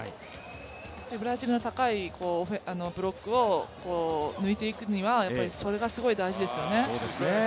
ブラジルの高いブロックを抜いていくにはそれがすごい大事ですよね。